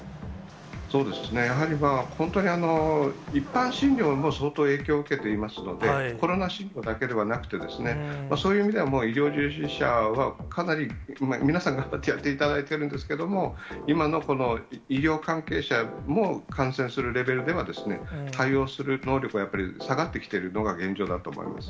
そうですね、やはり本当に一般診療も相当影響を受けていますので、コロナ診療だけじゃなくてですね、そういう意味では、もう医療従事者は、かなり皆さん頑張ってやっていただいてるんですけれども、今のこの医療関係者も感染するレベルでは、対応する能力はやっぱり下がってきてるのが現状だと思います。